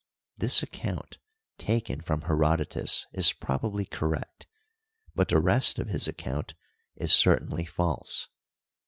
This account, taken from Herodotus, is probably correct, but the rest of his account is certainly false.